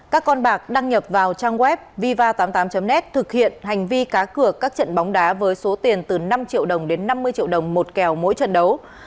các con bạc đăng nhập vào trang web viva tám mươi tám net thực hiện hành vi cá cược các trận bóng đá với số tiền từ năm triệu đồng đến năm mươi triệu đồng một kèo mỗi trận đấu